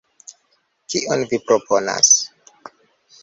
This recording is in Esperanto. Kion vi proponas?